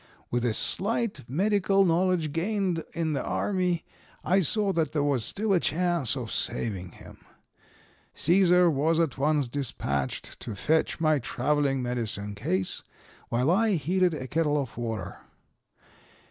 With a slight medical knowledge gained in the army, I saw that there was still a chance of saving him. Cæsar was at once dispatched to fetch my traveling medicine case, while I heated a kettle of water.